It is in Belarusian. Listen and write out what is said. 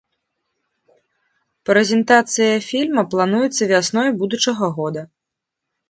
Прэзентацыя фільма плануецца вясною будучага года.